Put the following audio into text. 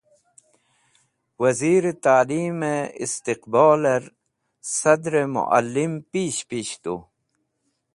Wazir e Ta'lim e Istiqboler, Sadre Mua'lim pish pish tu